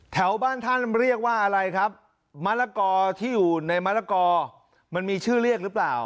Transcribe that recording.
แถวบ้านท่านเรียกว่าอะไรครับมะละกอที่อยู่ในมะละกอมันมีชื่อเรียกหรือเปล่า